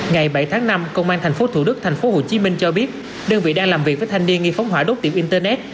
ngày bảy tháng năm công an tp hcm cho biết đơn vị đang làm việc với thanh niên nghi phóng hỏa đốt tiệm internet